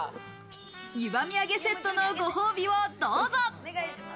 ゆば土産セットのご褒美をどうぞ。